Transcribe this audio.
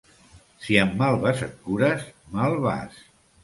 Si amb malves et cures mal vas.